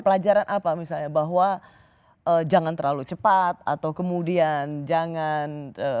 pelajaran apa misalnya bahwa jangan terlalu cepat atau kemudian jangan